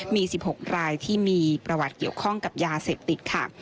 มี๑๖รายที่มีประวัติเกี่ยวข้องกับยาเสพติดค่ะ